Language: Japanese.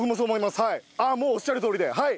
もうおっしゃるとおりではい！